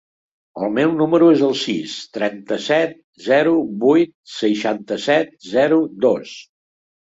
El meu número es el sis, trenta-set, zero, vuit, seixanta-set, zero, dos.